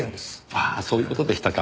ああそういう事でしたか。